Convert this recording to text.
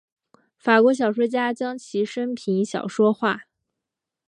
法国小说家将其生平小说化。